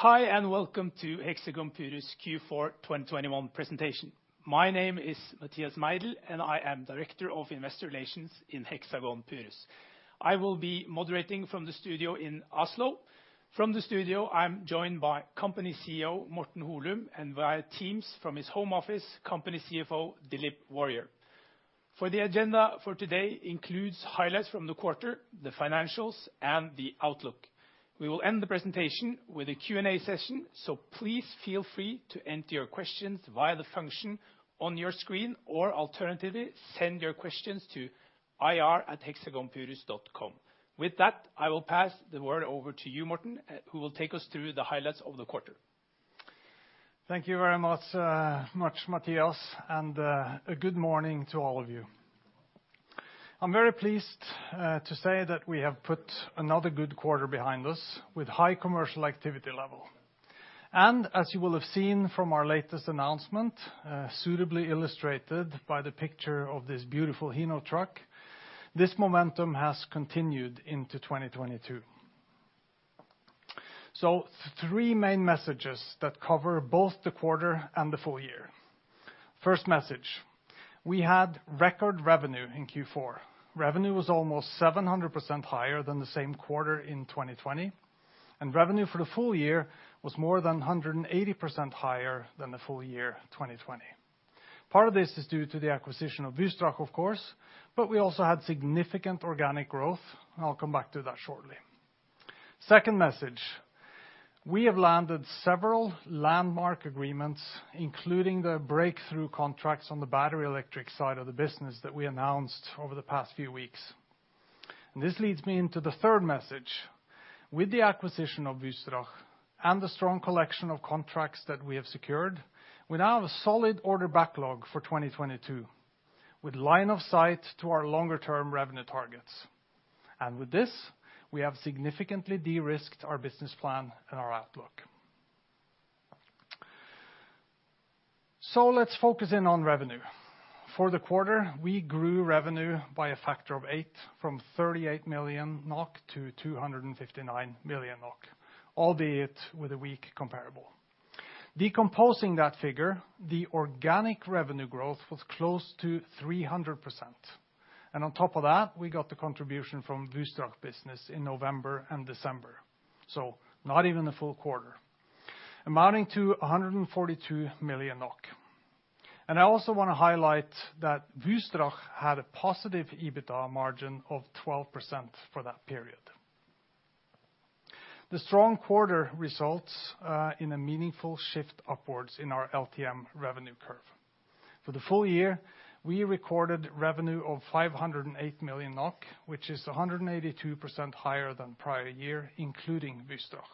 Hi, and welcome to Hexagon Purus Q4 2021 presentation. My name is Mathias Meidell, and I am Director of Investor Relations in Hexagon Purus. I will be moderating from the studio in Oslo. From the studio, I'm joined by Company CEO Morten Holum, and via Teams from his home office, Company CFO Dilip Warrier. The agenda for today includes highlights from the quarter, the financials, and the outlook. We will end the presentation with a Q&A session, so please feel free to enter your questions via the function on your screen, or alternatively, send your questions to ir@hexagonpurus.com. With that, I will pass the word over to you, Morten, who will take us through the highlights of the quarter. Thank you very much, Mathias, and a good morning to all of you. I'm very pleased to say that we have put another good quarter behind us with high commercial activity level. As you will have seen from our latest announcement, suitably illustrated by the picture of this beautiful Hino truck, this momentum has continued into 2022. Three main messages that cover both the quarter and the full year. First message, we had record revenue in Q4. Revenue was almost 700% higher than the same quarter in 2020, and revenue for the full year was more than 180% higher than the full year 2020. Part of this is due to the acquisition of Wystrach, of course, but we also had significant organic growth, and I'll come back to that shortly. Second message, we have landed several landmark agreements, including the breakthrough contracts on the battery electric side of the business that we announced over the past few weeks. This leads me into the third message. With the acquisition of Wystrach and the strong collection of contracts that we have secured, we now have a solid order backlog for 2022 with line of sight to our longer term revenue targets. With this, we have significantly de-risked our business plan and our outlook. Let's focus in on revenue. For the quarter, we grew revenue by a factor of eight from 38 million NOK to 259 million NOK, albeit with a weak comparable. Decomposing that figure, the organic revenue growth was close to 300%. On top of that, we got the contribution from Wystrach business in November and December, so not even a full quarter, amounting to 142 million NOK. I also wanna highlight that Wystrach had a positive EBITDA margin of 12% for that period. The strong quarter results in a meaningful shift upwards in our LTM revenue curve. For the full year, we recorded revenue of 508 million NOK, which is 182% higher than prior year, including Wystrach.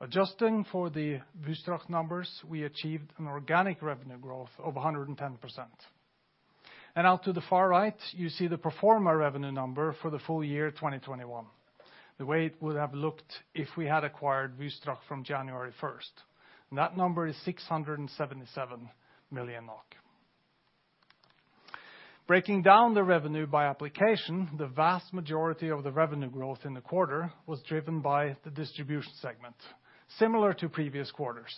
Adjusting for the Wystrach numbers, we achieved an organic revenue growth of 110%. Out to the far right, you see the pro forma revenue number for the full year 2021, the way it would have looked if we had acquired Wystrach from January first, and that number is 677 million. Breaking down the revenue by application, the vast majority of the revenue growth in the quarter was driven by the distribution segment, similar to previous quarters.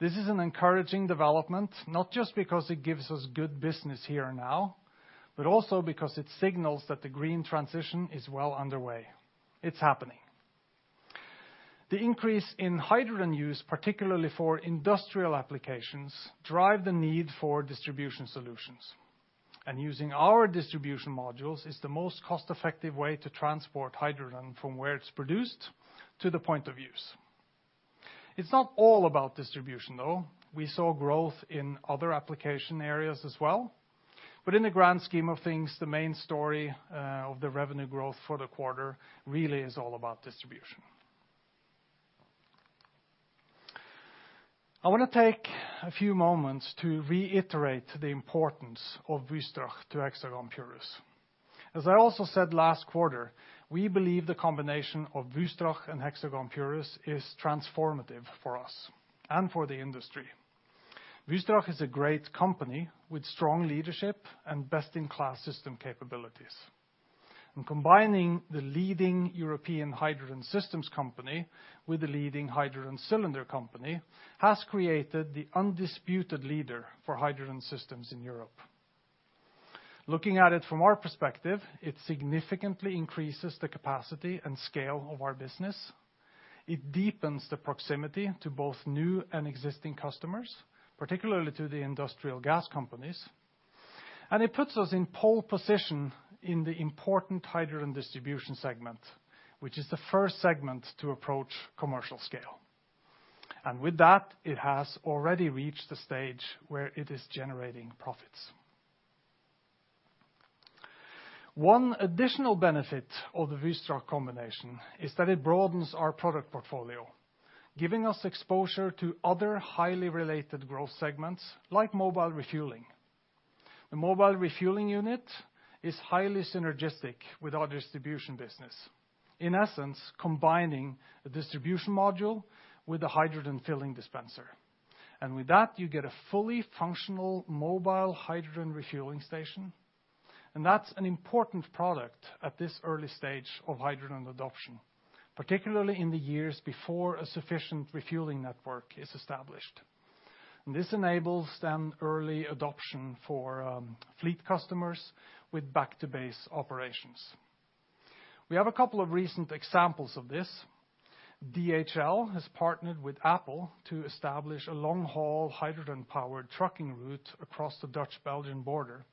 This is an encouraging development, not just because it gives us good business here and now, but also because it signals that the green transition is well underway. It's happening. The increase in hydrogen use, particularly for industrial applications, drive the need for distribution solutions. Using our distribution modules is the most cost-effective way to transport hydrogen from where it's produced to the point of use. It's not all about distribution, though. We saw growth in other application areas as well. In the grand scheme of things, the main story of the revenue growth for the quarter really is all about distribution. I wanna take a few moments to reiterate the importance of Wystrach to Hexagon Purus. As I also said last quarter, we believe the combination of Wystrach and Hexagon Purus is transformative for us and for the industry. Wystrach is a great company with strong leadership and best-in-class system capabilities. Combining the leading European hydrogen systems company with the leading hydrogen cylinder company has created the undisputed leader for hydrogen systems in Europe. Looking at it from our perspective, it significantly increases the capacity and scale of our business. It deepens the proximity to both new and existing customers, particularly to the industrial gas companies. It puts us in pole position in the important hydrogen distribution segment, which is the first segment to approach commercial scale. With that, it has already reached the stage where it is generating profits. One additional benefit of the Wystrach combination is that it broadens our product portfolio, giving us exposure to other highly related growth segments, like mobile refueling. The mobile refueling unit is highly synergistic with our distribution business, in essence, combining a distribution module with a hydrogen filling dispenser. With that, you get a fully functional mobile hydrogen refueling station. That's an important product at this early stage of hydrogen adoption, particularly in the years before a sufficient refueling network is established. This enables then early adoption for fleet customers with back to base operations. We have a couple of recent examples of this. DHL has partnered with Apple to establish a long-haul hydrogen-powered trucking route across the Dutch-Belgium border,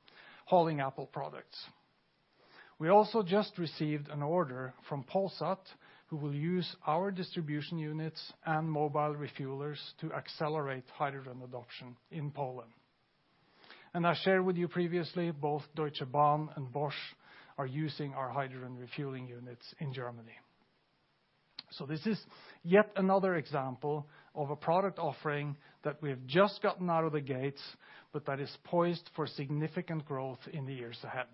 hauling Apple products. We also just received an order from Polsat, who will use our distribution units and mobile refuelers to accelerate hydrogen adoption in Poland. I shared with you previously, both Deutsche Bahn and Bosch are using our hydrogen refueling units in Germany. This is yet another example of a product offering that we have just gotten out of the gates, but that is poised for significant growth in the years ahead.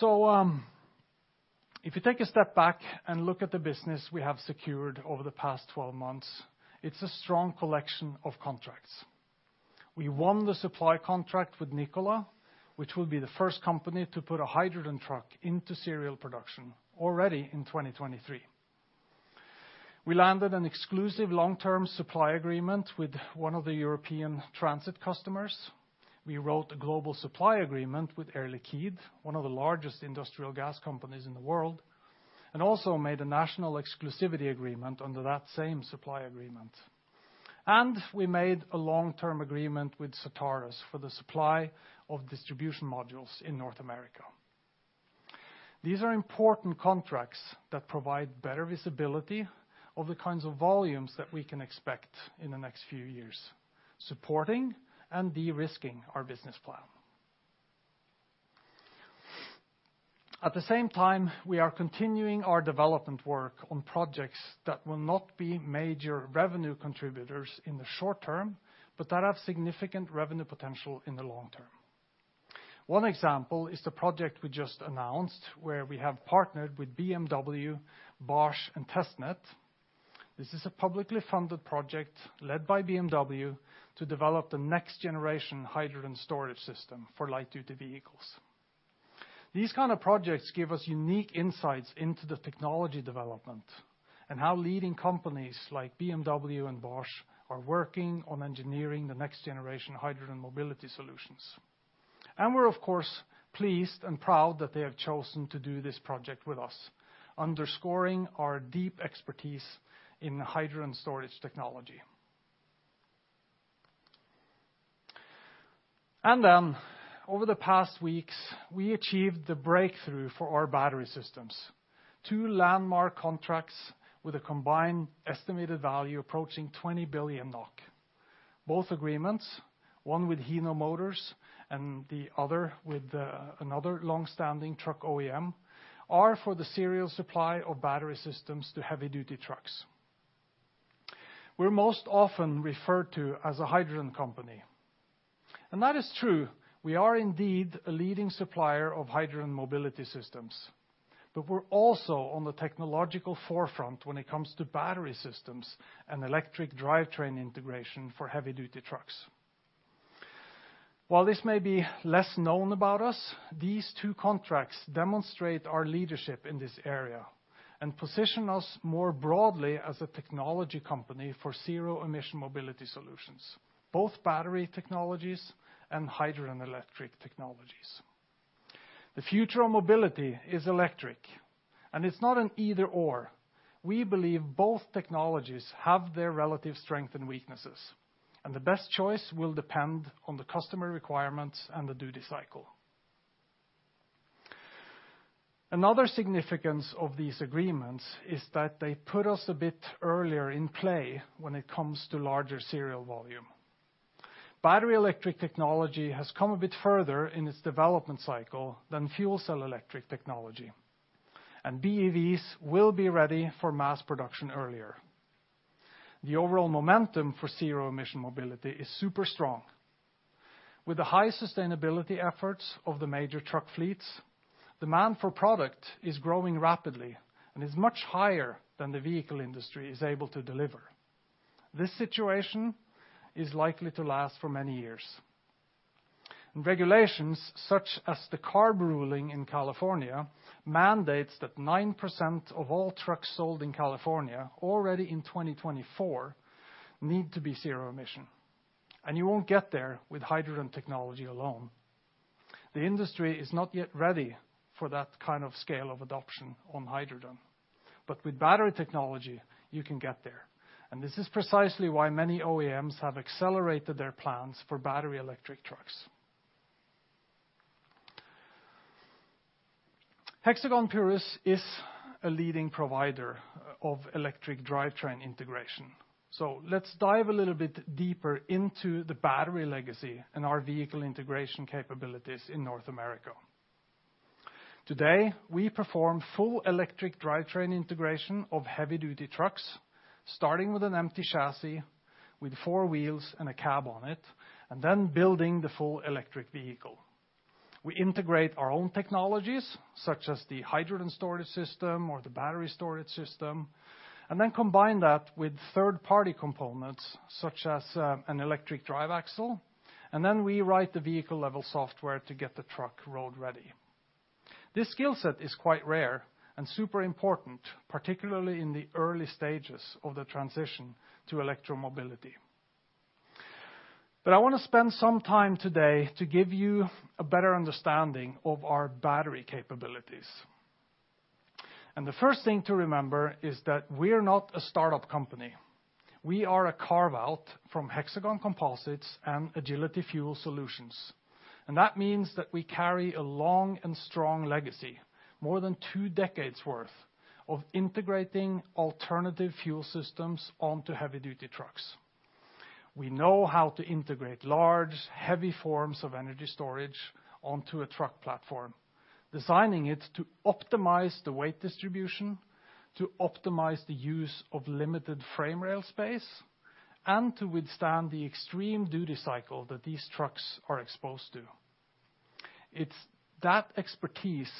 If you take a step back and look at the business we have secured over the past 12 months, it's a strong collection of contracts. We won the supply contract with Nikola, which will be the first company to put a hydrogen truck into serial production already in 2023. We landed an exclusive long-term supply agreement with one of the European transit customers. We wrote a global supply agreement with Air Liquide, one of the largest industrial gas companies in the world, and also made a national exclusivity agreement under that same supply agreement. We made a long-term agreement with Certarus for the supply of distribution modules in North America. These are important contracts that provide better visibility of the kinds of volumes that we can expect in the next few years, supporting and de-risking our business plan. At the same time, we are continuing our development work on projects that will not be major revenue contributors in the short term, but that have significant revenue potential in the long term. One example is the project we just announced, where we have partnered with BMW, Bosch, and TesTneT. This is a publicly funded project led by BMW to develop the next generation hydrogen storage system for light-duty vehicles. These kind of projects give us unique insights into the technology development and how leading companies like BMW and Bosch are working on engineering the next generation hydrogen mobility solutions. We're of course, pleased and proud that they have chosen to do this project with us, underscoring our deep expertise in hydrogen storage technology. Over the past weeks, we achieved the breakthrough for our battery systems. Two landmark contracts with a combined estimated value approaching 20 billion NOK. Both agreements, one with Hino Motors and the other with another long-standing truck OEM, are for the serial supply of battery systems to heavy-duty trucks. We're most often referred to as a hydrogen company. That is true. We are indeed a leading supplier of hydrogen mobility systems. We're also on the technological forefront when it comes to battery systems and electric drivetrain integration for heavy-duty trucks. While this may be less known about us, these two contracts demonstrate our leadership in this area and position us more broadly as a technology company for zero emission mobility solutions, both battery technologies and hydrogen electric technologies. The future of mobility is electric, and it's not an either/or. We believe both technologies have their relative strength and weaknesses, and the best choice will depend on the customer requirements and the duty cycle. Another significance of these agreements is that they put us a bit earlier in play when it comes to larger serial volume. Battery electric technology has come a bit further in its development cycle than fuel cell electric technology, and BEVs will be ready for mass production earlier. The overall momentum for zero emission mobility is super strong. With the high sustainability efforts of the major truck fleets, demand for product is growing rapidly and is much higher than the vehicle industry is able to deliver. This situation is likely to last for many years. Regulations such as the CARB ruling in California mandates that 9% of all trucks sold in California already in 2024 need to be zero-emission. You won't get there with hydrogen technology alone. The industry is not yet ready for that kind of scale of adoption on hydrogen. With battery technology, you can get there. This is precisely why many OEMs have accelerated their plans for battery electric trucks. Hexagon Purus is a leading provider of electric drivetrain integration. Let's dive a little bit deeper into the battery legacy and our vehicle integration capabilities in North America. Today, we perform full electric drivetrain integration of heavy duty trucks, starting with an empty chassis with four wheels and a cab on it, and then building the full electric vehicle. We integrate our own technologies, such as the hydrogen storage system or the battery storage system, and then combine that with third-party components such as an electric drive axle. Then we write the vehicle level software to get the truck road ready. This skill set is quite rare and super important, particularly in the early stages of the transition to electro-mobility. I wanna spend some time today to give you a better understanding of our battery capabilities. The first thing to remember is that we're not a startup company. We are a carve-out from Hexagon Composites and Agility Fuel Solutions. That means that we carry a long and strong legacy, more than two decades worth of integrating alternative fuel systems onto heavy duty trucks. We know how to integrate large, heavy forms of energy storage onto a truck platform, designing it to optimize the weight distribution, to optimize the use of limited frame rail space, and to withstand the extreme duty cycle that these trucks are exposed to. It's that expertise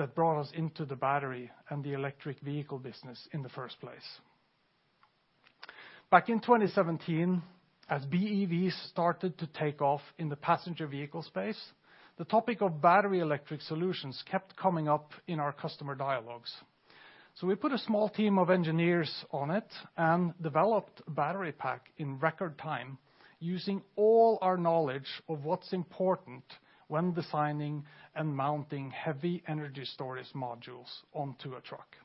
that brought us into the battery and the electric vehicle business in the first place. Back in 2017, as BEVs started to take off in the passenger vehicle space, the topic of battery electric solutions kept coming up in our customer dialogues. We put a small team of engineers on it and developed a battery pack in record time using all our knowledge of what's important when designing and mounting heavy energy storage modules onto a truck.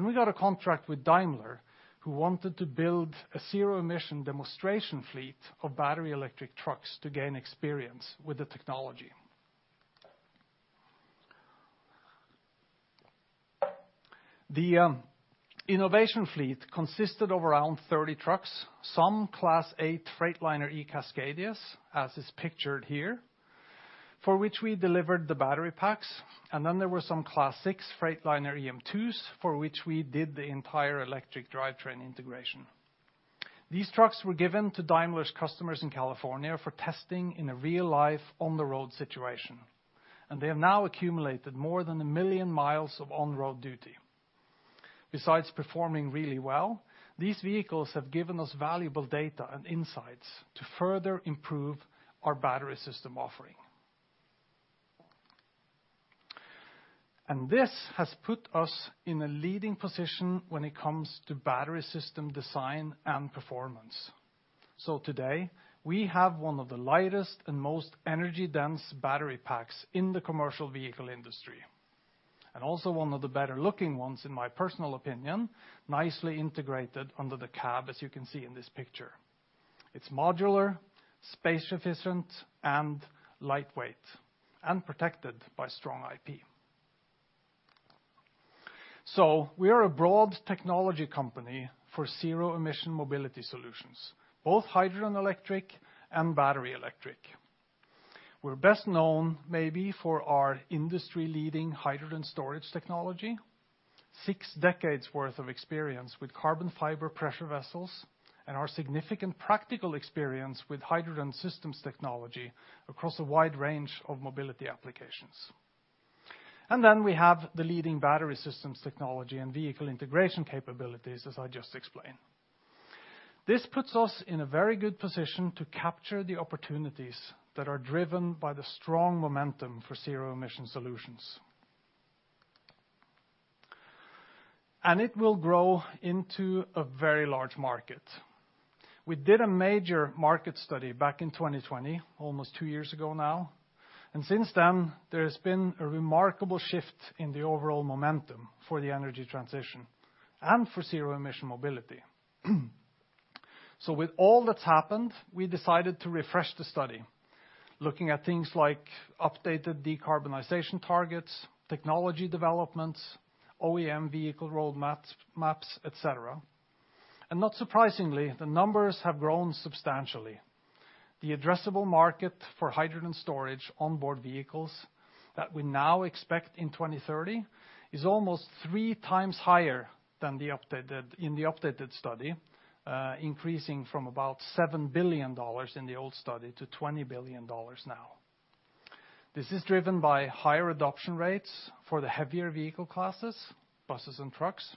We got a contract with Daimler, who wanted to build a zero-emission demonstration fleet of battery electric trucks to gain experience with the technology. The innovation fleet consisted of around 30 trucks, some Class 8 Freightliner eCascadias, as is pictured here, for which we delivered the battery packs. There were some Class 6 Freightliner eM2s for which we did the entire electric drivetrain integration. These trucks were given to Daimler's customers in California for testing in a real-life on-the-road situation, and they have now accumulated more than a million miles of on-road duty. Besides performing really well, these vehicles have given us valuable data and insights to further improve our battery system offering. This has put us in a leading position when it comes to battery system design and performance. Today, we have one of the lightest and most energy-dense battery packs in the commercial vehicle industry, and also one of the better-looking ones in my personal opinion, nicely integrated under the cab, as you can see in this picture. It's modular, space efficient, and lightweight, and protected by strong IP. We are a broad technology company for zero-emission mobility solutions, both hydrogen electric and battery electric. We're best known maybe for our industry-leading hydrogen storage technology, six decades worth of experience with carbon fiber pressure vessels, and our significant practical experience with hydrogen systems technology across a wide range of mobility applications. We have the leading battery systems technology and vehicle integration capabilities, as I just explained. This puts us in a very good position to capture the opportunities that are driven by the strong momentum for zero emission solutions. It will grow into a very large market. We did a major market study back in 2020, almost two years ago now, and since then, there has been a remarkable shift in the overall momentum for the energy transition and for zero emission mobility. With all that's happened, we decided to refresh the study, looking at things like updated decarbonization targets, technology developments, OEM vehicle roadmaps, et cetera. Not surprisingly, the numbers have grown substantially. The addressable market for hydrogen storage on board vehicles that we now expect in 2030 is almost three times higher than in the updated study, increasing from about $7 billion in the old study to $20 billion now. This is driven by higher adoption rates for the heavier vehicle classes, buses and trucks,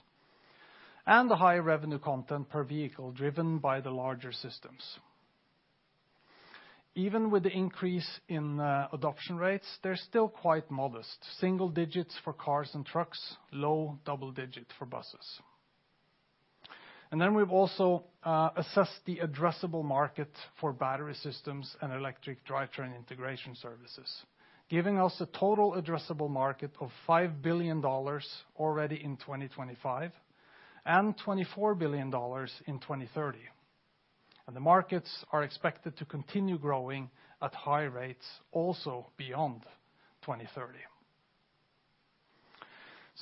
and the higher revenue content per vehicle driven by the larger systems. Even with the increase in adoption rates, they're still quite modest. Single digits for cars and trucks, low double digit for buses. We've also assessed the addressable market for battery systems and electric drivetrain integration services, giving us a total addressable market of $5 billion already in 2025 and $24 billion in 2030. The markets are expected to continue growing at high rates also beyond 2030.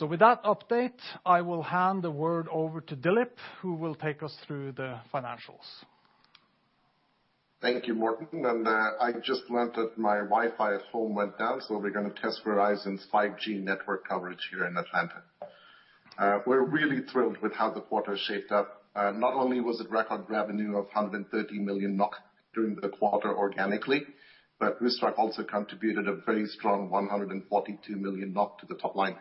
With that update, I will hand the word over to Dilip, who will take us through the financials. Thank you, Morten. I just learned that my Wi-Fi at home went down, so we're gonna test Verizon's 5G network coverage here in Atlanta. We're really thrilled with how the quarter shaped up. Not only was it record revenue of 130 million NOK during the quarter organically, but Rustrack also contributed a very strong 142 million NOK to the top line.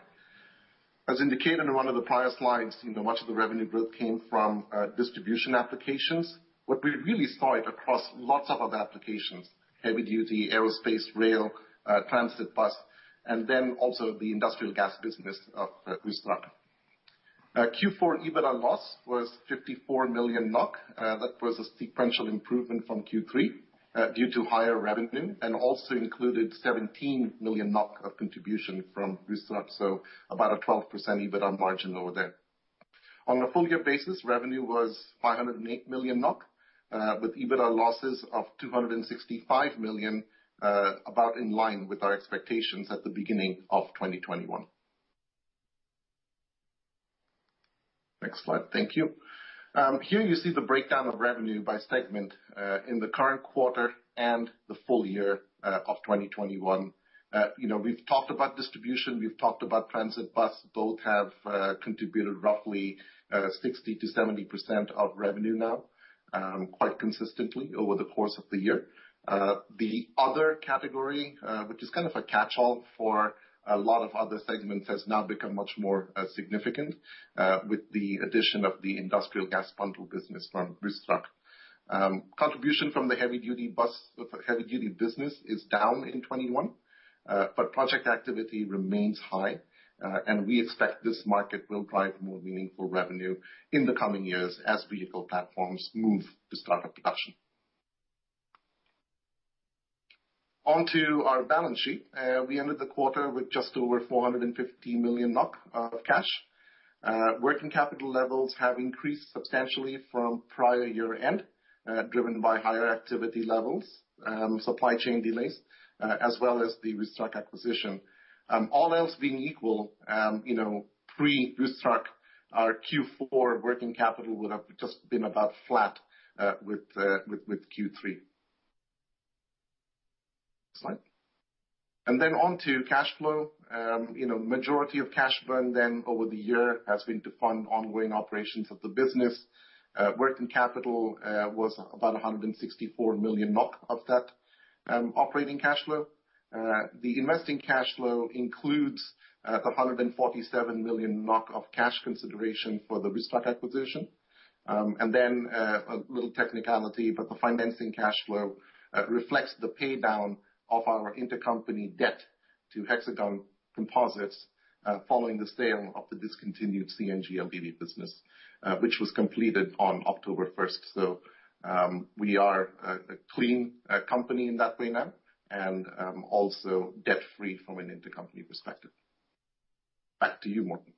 As indicated in one of the prior slides, you know, much of the revenue growth came from distribution applications. What we really saw it across lots of other applications, heavy-duty aerospace, rail, transit bus, and then also the industrial gas business of Rustrack. Q4 EBITDA loss was 54 million NOK. That was a sequential improvement from Q3 due to higher revenue and also included 17 million NOK of contribution from Rustrack, so about a 12% EBITDA margin over there. On a full year basis, revenue was 508 million NOK with EBITDA losses of 265 million. About in line with our expectations at the beginning of 2021. Next slide. Thank you. Here you see the breakdown of revenue by segment in the current quarter and the full year of 2021. You know, we've talked about distribution, we've talked about transit bus. Both have contributed roughly 60%-70% of revenue now, quite consistently over the course of the year. The other category, which is kind of a catchall for a lot of other segments, has now become much more significant with the addition of the industrial gas bundle business from Wystrach. Contribution from the heavy-duty business is down in 2021, but project activity remains high. We expect this market will drive more meaningful revenue in the coming years as vehicle platforms move to start up production. On to our balance sheet. We ended the quarter with just over 450 million NOK of cash. Working capital levels have increased substantially from prior year-end, driven by higher activity levels, supply chain delays, as well as the Wystrach acquisition. All else being equal, you know, pre-Wystrach, our Q4 working capital would have just been about flat with Q3. Next slide. On to cash flow. You know, majority of cash burn then over the year has been to fund ongoing operations of the business. Working capital was about 164 million of that operating cash flow. The investing cash flow includes the 147 million of cash consideration for the Rustrack acquisition. A little technicality, but the financing cash flow reflects the pay down of our intercompany debt to Hexagon Composites following the sale of the discontinued CNG LNG business, which was completed on October first. We are a clean company in that way now and also debt-free from an intercompany perspective. Back to you, Morten.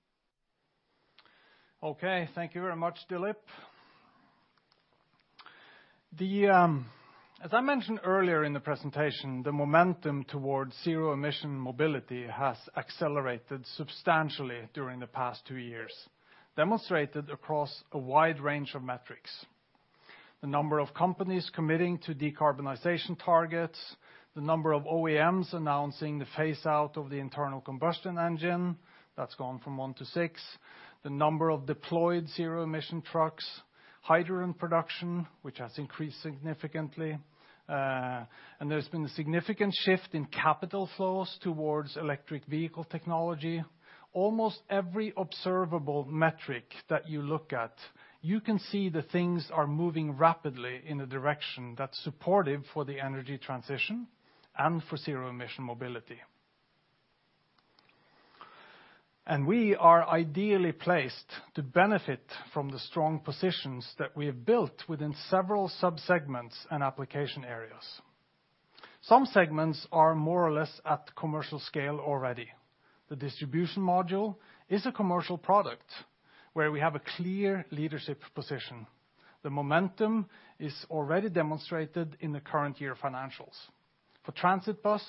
Okay, thank you very much, Dilip. As I mentioned earlier in the presentation, the momentum towards zero-emission mobility has accelerated substantially during the past two years, demonstrated across a wide range of metrics. The number of companies committing to decarbonization targets, the number of OEMs announcing the phase out of the internal combustion engine, that's gone from one to six. The number of deployed zero-emission trucks, hydrogen production, which has increased significantly. There's been a significant shift in capital flows towards electric vehicle technology. Almost every observable metric that you look at, you can see that things are moving rapidly in a direction that's supportive for the energy transition and for zero-emission mobility. We are ideally placed to benefit from the strong positions that we have built within several sub-segments and application areas. Some segments are more or less at commercial scale already. The distribution module is a commercial product where we have a clear leadership position. The momentum is already demonstrated in the current year financials. For transit bus,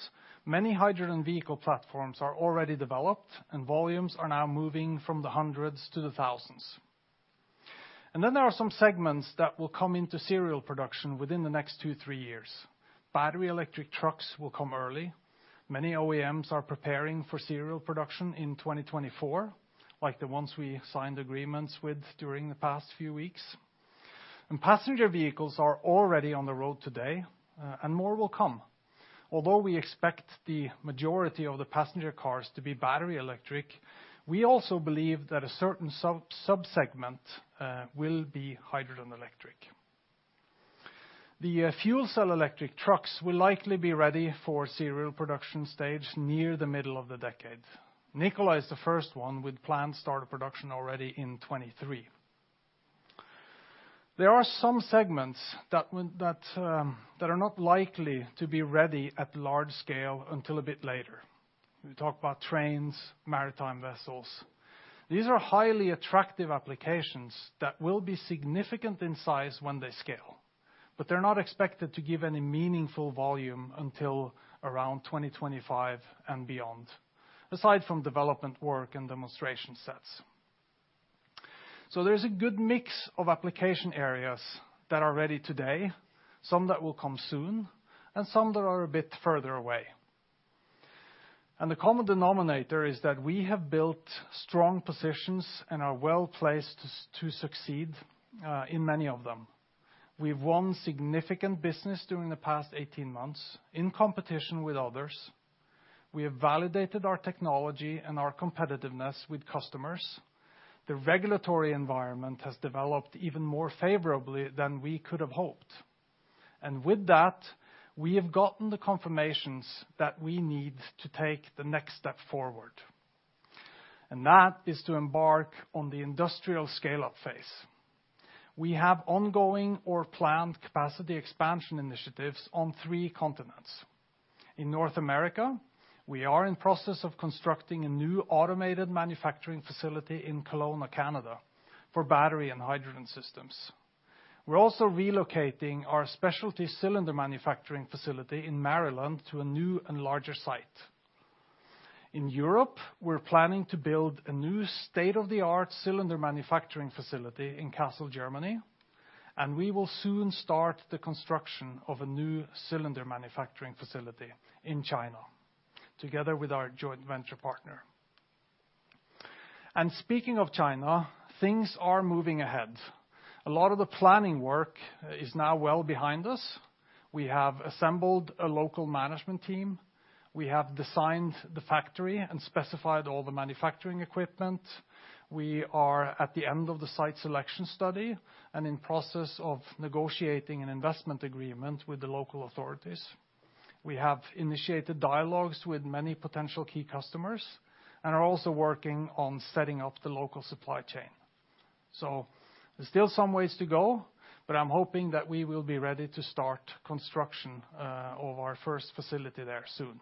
many hydrogen vehicle platforms are already developed, and volumes are now moving from the hundreds to the thousands. There are some segments that will come into serial production within the next two, three years. Battery electric trucks will come early. Many OEMs are preparing for serial production in 2024, like the ones we signed agreements with during the past few weeks. Passenger vehicles are already on the road today, and more will come. Although we expect the majority of the passenger cars to be battery electric, we also believe that a certain sub-segment will be hydrogen electric. The fuel cell electric trucks will likely be ready for serial production stage near the middle of the decade. Nikola is the first one with planned start of production already in 2023. There are some segments that that are not likely to be ready at large scale until a bit later. We talk about trains, maritime vessels. These are highly attractive applications that will be significant in size when they scale. They're not expected to give any meaningful volume until around 2025 and beyond, aside from development work and demonstration sets. There's a good mix of application areas that are ready today, some that will come soon, and some that are a bit further away. The common denominator is that we have built strong positions and are well-placed to succeed in many of them. We've won significant business during the past 18 months in competition with others. We have validated our technology and our competitiveness with customers. The regulatory environment has developed even more favorably than we could have hoped. With that, we have gotten the confirmations that we need to take the next step forward, and that is to embark on the industrial scale-up phase. We have ongoing or planned capacity expansion initiatives on three continents. In North America, we are in process of constructing a new automated manufacturing facility in Kelowna, Canada for battery and hydrogen systems. We're also relocating our specialty cylinder manufacturing facility in Maryland to a new and larger site. In Europe, we're planning to build a new state-of-the-art cylinder manufacturing facility in Kassel, Germany, and we will soon start the construction of a new cylinder manufacturing facility in China together with our joint venture partner. Speaking of China, things are moving ahead. A lot of the planning work is now well behind us. We have assembled a local management team. We have designed the factory and specified all the manufacturing equipment. We are at the end of the site selection study and in process of negotiating an investment agreement with the local authorities. We have initiated dialogues with many potential key customers and are also working on setting up the local supply chain. There's still some ways to go, but I'm hoping that we will be ready to start construction of our first facility there soon.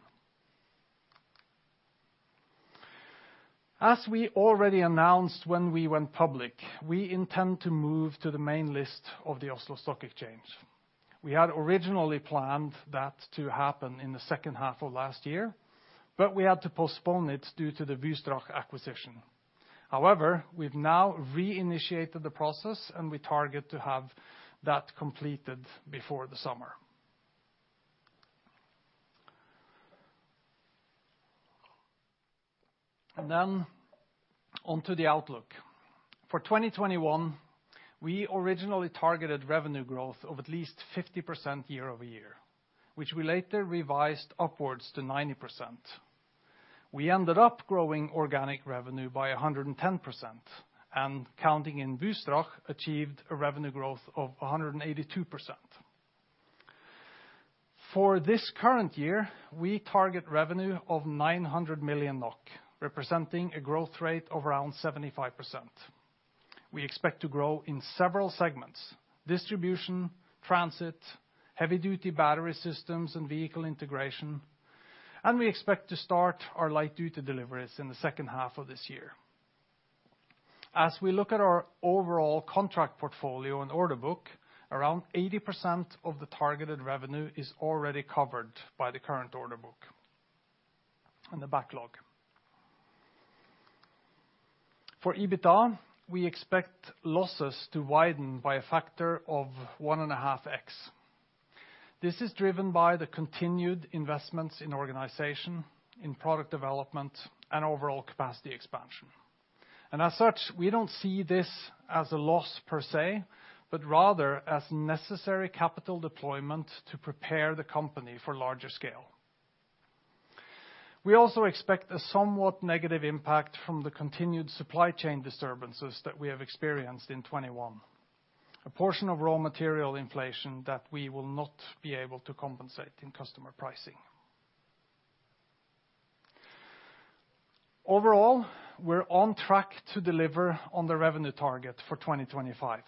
As we already announced when we went public, we intend to move to the main list of the Oslo Stock Exchange. We had originally planned that to happen in the second half of last year, but we had to postpone it due to the Wystrach acquisition. However, we've now reinitiated the process, and we target to have that completed before the summer. On to the outlook. For 2021, we originally targeted revenue growth of at least 50% year-over-year, which we later revised upwards to 90%. We ended up growing organic revenue by 110% and, counting in Wystrach, achieved a revenue growth of 182%. For this current year, we target revenue of 900 million NOK, representing a growth rate of around 75%. We expect to grow in several segments: distribution, transit, heavy-duty battery systems, and vehicle integration, and we expect to start our light-duty deliveries in the second half of this year. As we look at our overall contract portfolio and order book, around 80% of the targeted revenue is already covered by the current order book and the backlog. For EBITDA, we expect losses to widen by a factor of 1.5x. This is driven by the continued investments in organization, in product development, and overall capacity expansion. As such, we don't see this as a loss per se, but rather as necessary capital deployment to prepare the company for larger scale. We also expect a somewhat negative impact from the continued supply chain disturbances that we have experienced in 2021, a portion of raw material inflation that we will not be able to compensate in customer pricing. Overall, we're on track to deliver on the revenue target for 2025.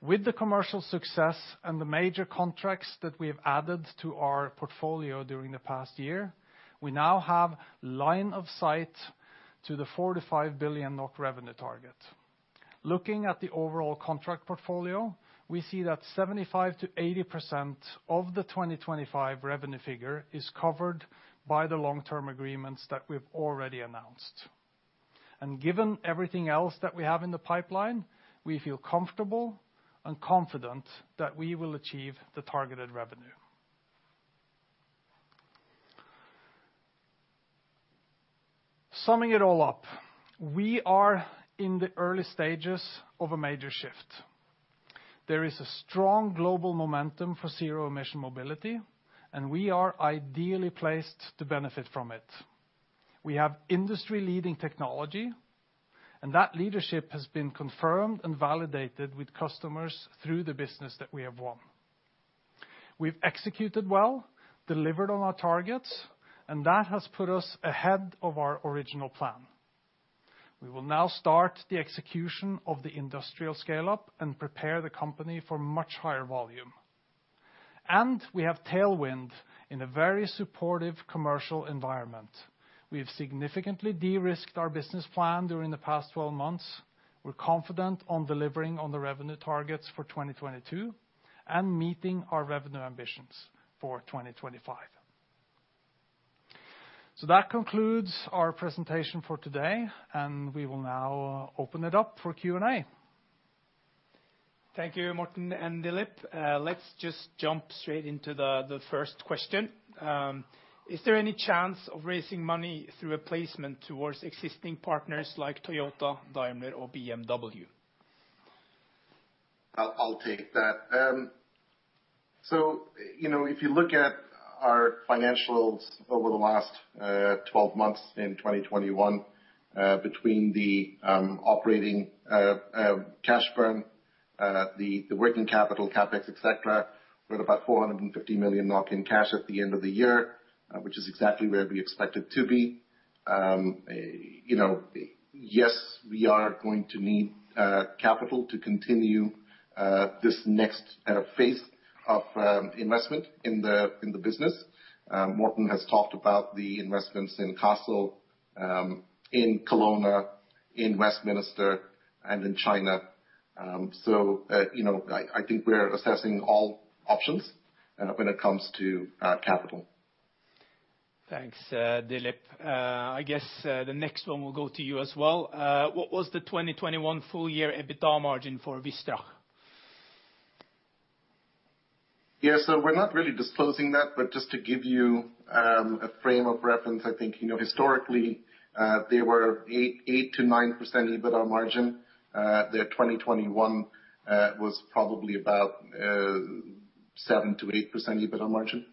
With the commercial success and the major contracts that we have added to our portfolio during the past year, we now have line of sight to the 45 billion NOK revenue target. Looking at the overall contract portfolio, we see that 75%-80% of the 2025 revenue figure is covered by the long-term agreements that we've already announced. Given everything else that we have in the pipeline, we feel comfortable and confident that we will achieve the targeted revenue. Summing it all up, we are in the early stages of a major shift. There is a strong global momentum for zero-emission mobility, and we are ideally placed to benefit from it. We have industry-leading technology, and that leadership has been confirmed and validated with customers through the business that we have won. We've executed well, delivered on our targets, and that has put us ahead of our original plan. We will now start the execution of the industrial scale-up and prepare the company for much higher volume. We have tailwind in a very supportive commercial environment. We have significantly de-risked our business plan during the past 12 months. We're confident on delivering on the revenue targets for 2022, and meeting our revenue ambitions for 2025. That concludes our presentation for today, and we will now open it up for Q&A. Thank you, Morten and Dilip. Let's just jump straight into the first question. Is there any chance of raising money through a placement towards existing partners like Toyota, Daimler, or BMW? I'll take that. You know, if you look at our financials over the last 12 months in 2021, between the operating cash burn, the working capital, CapEx, et cetera, we're at about 450 million in cash at the end of the year, which is exactly where we expect it to be. You know, yes, we are going to need capital to continue this next phase of investment in the business. Morten has talked about the investments in Kassel, in Kelowna, in Westminster, and in China. You know, I think we're assessing all options when it comes to capital. Thanks, Dilip. I guess, the next one will go to you as well. What was the 2021 full year EBITDA margin for Wystrach? Yeah. We're not really disclosing that, but just to give you a frame of reference, I think you know historically they were 8%-9% EBITDA margin. Their 2021 was probably about 7%-8% EBITDA margin.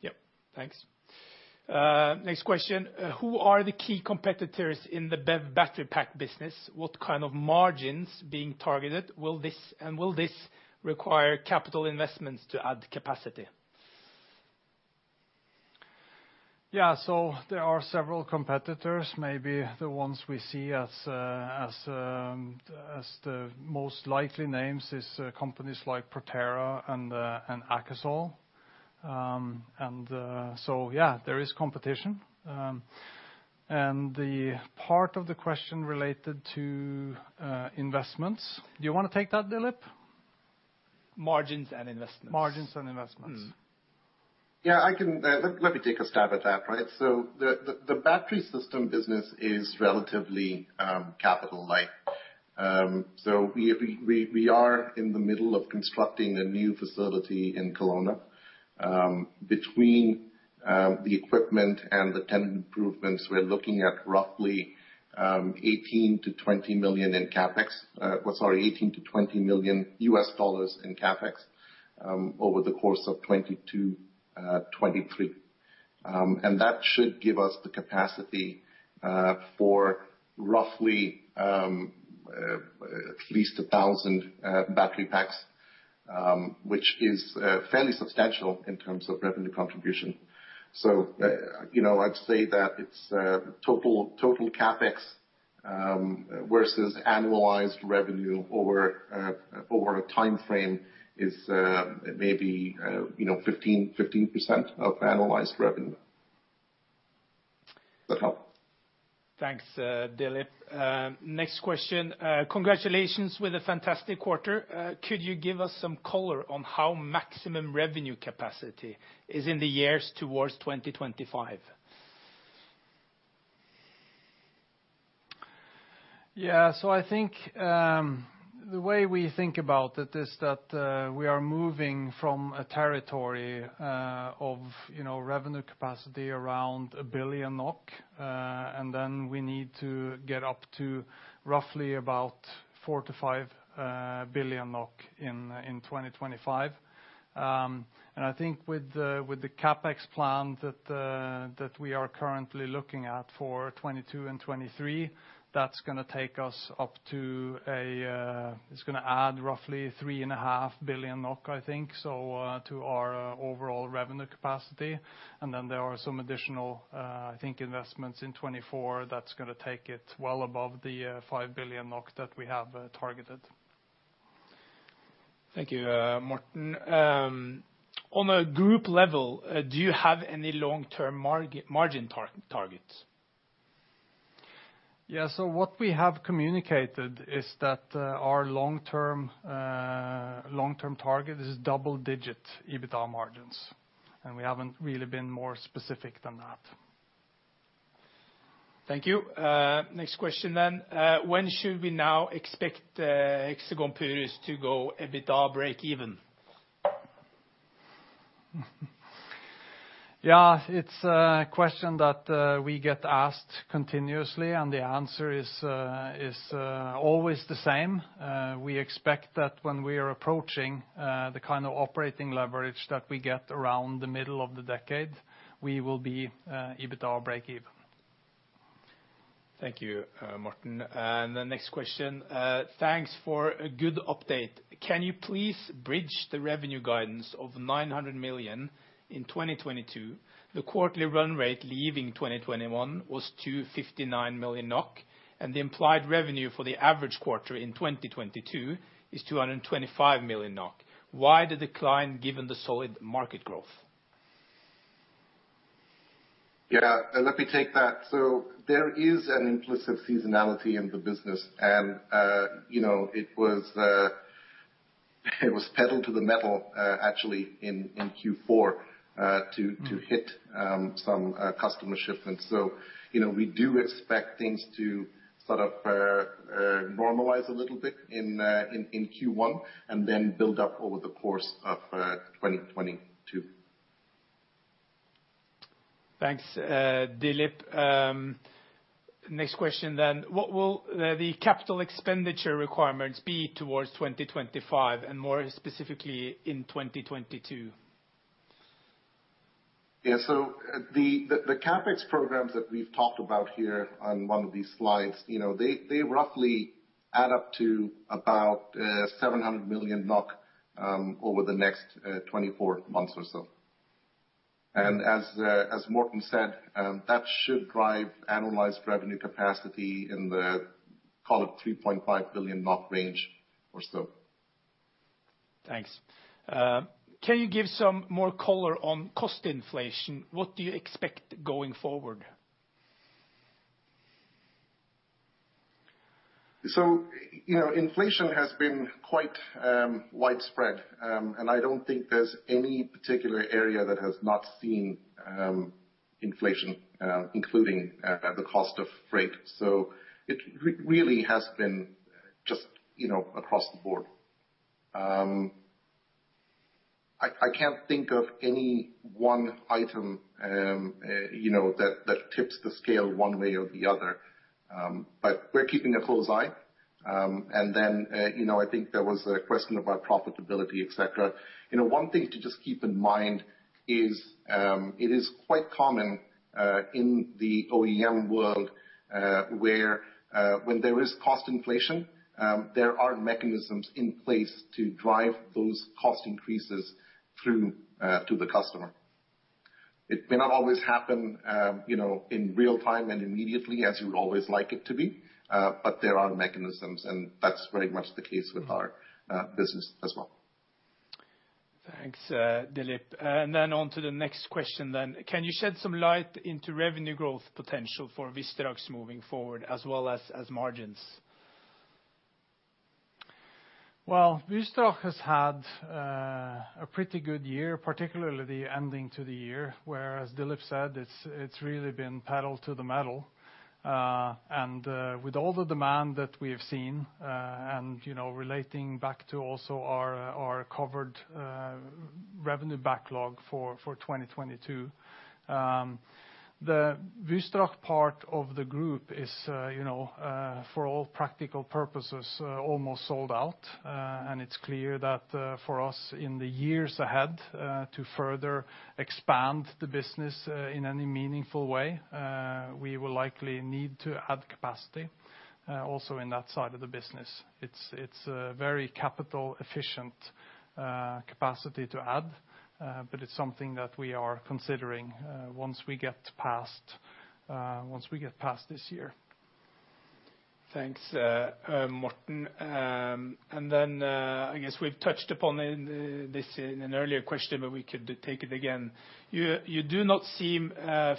Yep. Thanks. Next question. Who are the key competitors in the BEV battery pack business? What kind of margins being targeted? Will this require capital investments to add capacity? Yeah. There are several competitors. Maybe the ones we see as the most likely names is companies like Proterra and AKASOL. Yeah, there is competition. The part of the question related to investments, do you wanna take that Dilip? Margins and investments. Margins and investments. Yeah, let me take a stab at that, right? The battery system business is relatively capital light. We are in the middle of constructing a new facility in Kelowna. Between the equipment and the tenant improvements, we're looking at roughly $18 million-$20 million in CapEx. Sorry, $18 million-$20 million U.S. dollars in CapEx over the course of 2022, 2023. That should give us the capacity for roughly at least 1,000 battery packs, which is fairly substantial in terms of revenue contribution. You know, I'd say that it's total CapEx versus annualized revenue over a timeframe is maybe 15% of annualized revenue. Does that help? Thanks, Dilip. Next question. Congratulations with a fantastic quarter. Could you give us some color on how maximum revenue capacity is in the years towards 2025? Yeah. I think the way we think about it is that we are moving from a territory of you know revenue capacity around 1 billion NOK and then we need to get up to roughly about 4 billion-5 billion NOK in 2025. I think with the CapEx plan that we are currently looking at for 2022 and 2023 that's gonna add roughly 3.5 billion NOK I think so to our overall revenue capacity. Then there are some additional I think investments in 2024 that's gonna take it well above the 5 billion NOK that we have targeted. Thank you, Morten. On a group level, do you have any long-term margin targets? Yeah. What we have communicated is that our long-term target is double-digit EBITDA margins, and we haven't really been more specific than that. Thank you. Next question. When should we now expect Hexagon Purus to go EBITDA breakeven? Yeah. It's a question that we get asked continuously, and the answer is always the same. We expect that when we are approaching the kind of operating leverage that we get around the middle of the decade, we will be EBITDA breakeven. Thank you, Morten. The next question. Thanks for a good update. Can you please bridge the revenue guidance of 900 million in 2022? The quarterly run rate leaving 2021 was 259 million NOK, and the implied revenue for the average quarter in 2022 is 225 million NOK. Why the decline given the solid market growth? Yeah, let me take that. There is an implicit seasonality in the business and, you know, it was pedal to the metal, actually in Q4 to hit some customer shipments. You know, we do expect things to sort of normalize a little bit in Q1, and then build up over the course of 2022. Thanks, Dilip. Next question, then. What will the capital expenditure requirements be towards 2025, and more specifically in 2022? Yeah. The CapEx programs that we've talked about here on one of these slides, you know, they roughly add up to about 700 million NOK over the next 24 months or so. As Morten said, that should drive annualized revenue capacity in the call it 3.5 billion range or so. Thanks. Can you give some more color on cost inflation? What do you expect going forward? You know, inflation has been quite widespread. I don't think there's any particular area that has not seen inflation, including the cost of freight. It really has been just, you know, across the board. I can't think of any one item, you know, that tips the scale one way or the other. We're keeping a close eye. You know, I think there was a question about profitability, etc. You know, one thing to just keep in mind is, it is quite common in the OEM world, where when there is cost inflation, there are mechanisms in place to drive those cost increases through to the customer. It may not always happen, you know, in real time and immediately as you would always like it to be, but there are mechanisms, and that's very much the case with our business as well. Thanks, Dilip. Then on to the next question. Can you shed some light on revenue growth potential for Wystrach moving forward as well as margins? Well, Wystrach has had a pretty good year, particularly the end of the year, where, as Dilip Warrier said, it's really been pedal to the metal. With all the demand that we have seen, you know, relating back to also our covered revenue backlog for 2022, the Wystrach part of the group is, you know, for all practical purposes, almost sold out. It's clear that for us in the years ahead to further expand the business in any meaningful way, we will likely need to add capacity also in that side of the business. It's a very capital efficient capacity to add, but it's something that we are considering once we get past this year. Thanks, Morten. I guess we've touched upon this in an earlier question, but we could take it again. You do not seem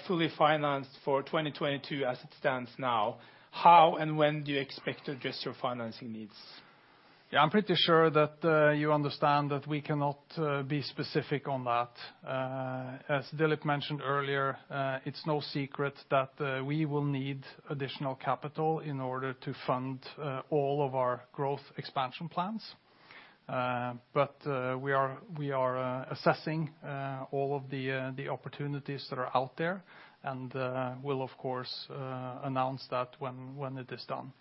fully financed for 2022 as it stands now. How and when do you expect to address your financing needs? Yeah, I'm pretty sure that you understand that we cannot be specific on that. As Dilip mentioned earlier, it's no secret that we will need additional capital in order to fund all of our growth expansion plans. We are assessing all of the opportunities that are out there, and we'll of course announce that when it is done.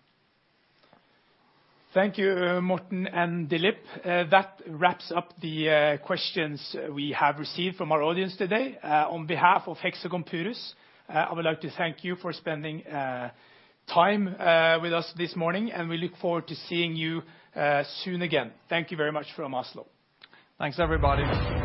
Thank you, Morten and Dilip. That wraps up the questions we have received from our audience today. On behalf of Hexagon Purus, I would like to thank you for spending time with us this morning, and we look forward to seeing you soon again. Thank you very much from Oslo. Thanks, everybody.